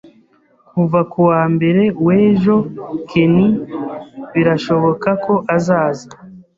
Kuva kuwa mbere w'ejo, Ken birashoboka ko azaza